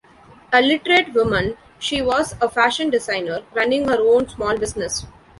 A literate woman, she was a fashion designer, running her own small business.